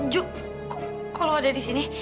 ju kau lo ada di sini